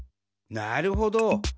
なるほど。